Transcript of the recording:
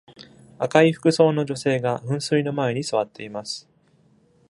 赤い服装の女性が噴水の前に座っています。